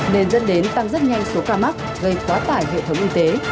nên dẫn đến tăng rất nhanh số ca mắc gây quá tải hệ thống y tế